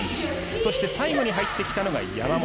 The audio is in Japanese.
そして最後に入ってきたのが山本。